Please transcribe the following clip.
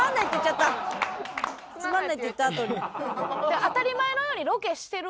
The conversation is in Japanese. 「つまんない」って言ったあとに。